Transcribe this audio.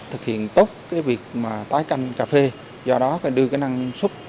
thực hiện tốt cái việc mà tái canh cà phê do đó phải đưa cái năng suất